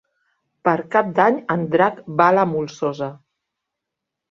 Per Cap d'Any en Drac va a la Molsosa.